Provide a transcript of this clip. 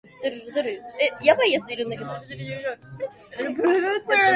ふぇ ｒｖｆｒｖｊ きえ ｖ へ ｒｊｃｂ れ ｌｈｃ れ ｖ け ｒｊ せ ｒｋｖ じぇ ｓ